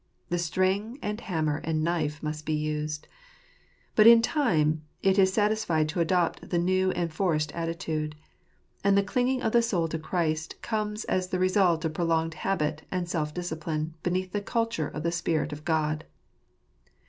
The string, and hammer, and knife, must be used ; but in time it is satisfied to adopt the new and forced attitude. And the clinging of the soul to Christ comes as the result of prolonged habit and self discipline beneath the culture of the Spirit of God.